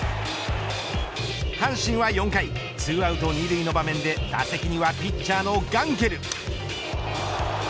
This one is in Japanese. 阪神は４回２アウト２塁の場面で打席にはピッチャーのガンケル。